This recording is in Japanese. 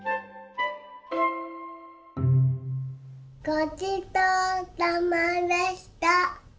ごちそうさまでした！